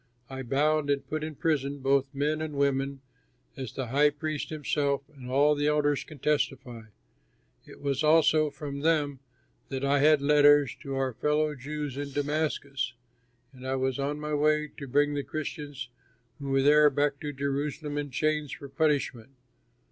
I bound and put in prison both men and women, as the high priest himself and all the elders can testify. "It was also from them that I had letters to our fellow Jews in Damascus, and I was on my way to bring the Christians who were there back to Jerusalem in chains for punishment.